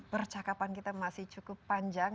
percakapan kita masih cukup panjang